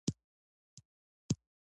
مېلمانه راغلي دي